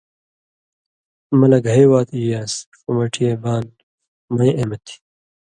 ”مہ لہ گھئ وات ای یان٘س ݜُو مٹی اْے بان مَیں اېمہۡ تھی،